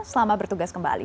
selamat bertugas kembali